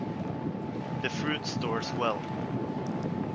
The fruit stores well.